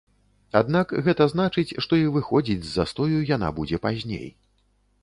Аднак гэта значыць, што і выходзіць з застою яна будзе пазней.